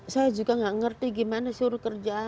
saya juga tidak mengerti bagaimana suruh kerja